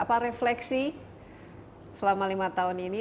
apa refleksi selama lima tahun ini